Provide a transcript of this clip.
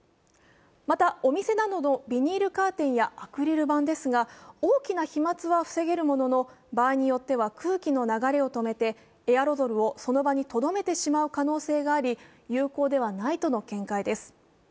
また、お店などのビニールカーテンやアクリル板ですが大きな飛まつは防げるものの場合によっては空気の流れを止めてエアロゾルをその場にとどめてしまう可能性があり有効ではないとの見解です。